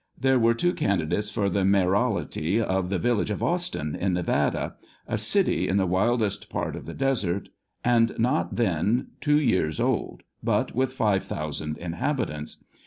There were two candidates for the mayoralty of the village of Austin, in Nevada — a " city" in the wildest part of the desert, and not then two years old, but with five thousand inhabitants.